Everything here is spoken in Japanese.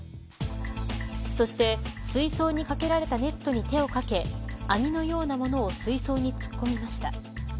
そして、水槽にかけられたネットに手をかけ網のような物を水槽に突っ込みました。